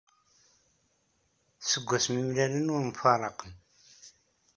Seg wasmi i mlalen ur mfaraqen.